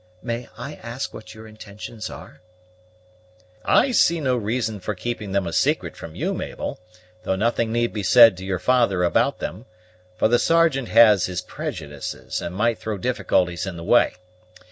May I ask what your intentions are?" "I see no reason for keeping them a secret from you, Mabel, though nothing need be said to your father about them; for the Sergeant has his prejudices, and might throw difficulties in the way.